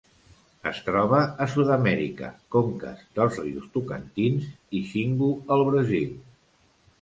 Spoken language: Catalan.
Es troba a Sud-amèrica: conques dels rius Tocantins i Xingu al Brasil.